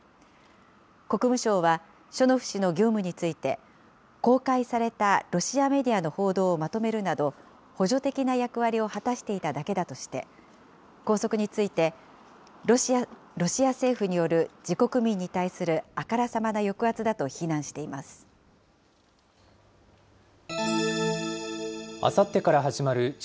国務省は、ショノフ氏の業務について、公開されたロシアメディアの報道をまとめるなど、補助的な役割を果たしていただけだとして、拘束について、ロシア政府による自国民に対するあからさまな抑圧だと非難していあさってから始まるＧ